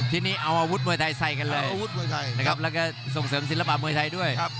ที่นี่เอาอาวุษมวยไทยใส่กันนะครับแล้วก็ส่งเสริมธุรกิจเนื้อนะครับ